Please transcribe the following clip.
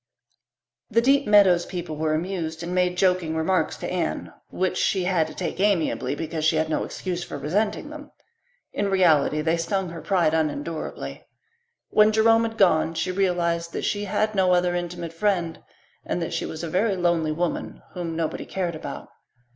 The Deep Meadows people were amused and made joking remarks to Anne, which she had to take amiably because she had no excuse for resenting them. In reality they stung her pride unendurably. When Jerome had gone she realized that she had no other intimate friend and that she was a very lonely woman whom nobody cared about.